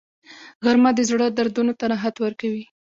غرمه د زړه دردونو ته راحت ورکوي